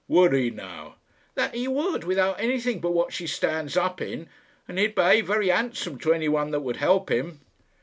"Would he now?" "That he would, without anything but what she stands up in. And he'd behave very handsome to anyone that would help him."